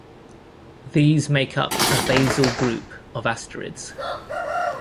These make up a basal group of asterids.